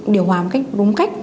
điều hòa một cách đúng cách